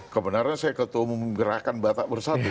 kebenaran saya ketua umum gerakan batak bersatu